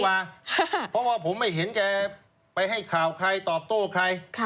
เจอมีแกด้วยดีกว่าเพราะว่าผมไม่เห็นแกไปให้ข่าวใครตอบโต้ใคร